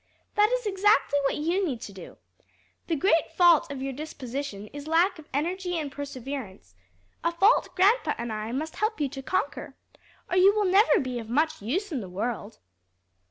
That is exactly what you need to do. The great fault of your disposition is lack of energy and perseverance, a fault grandpa and I must help you to conquer, or you will never be of much use in the world."